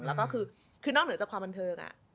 แล้วก็คือนอกเหนือจากความบันเทิง